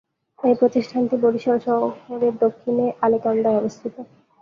এই প্রতিষ্ঠানটি বরিশাল শহরের দক্ষিণ আলেকান্দায় অবস্থিত।